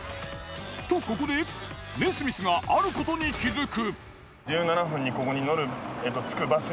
とここでネスミスがあることに気づく。